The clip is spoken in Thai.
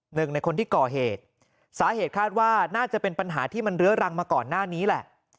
หนึ่งในคนที่ก่อเหตุสาเหตุคาดว่าน่าจะเป็นปัญหาที่มันเรื้อรังมาก่อนหน้านี้แหละ